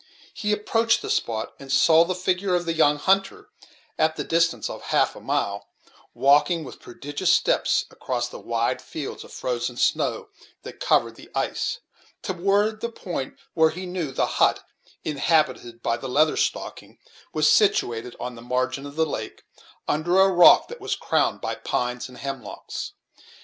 He approached the spot, and saw the figure of the young hunter, at the distance of half a mile, walking with prodigious steps across the wide fields of frozen snow that covered the ice, toward the point where he knew the hut inhabited by the Leather Stocking was situated on the margin of the lake, under a rock that was crowned by pines and hemlocks.